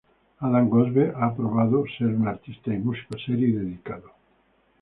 Adam Goldberg ha probado ser un artista y músico serio y dedicado.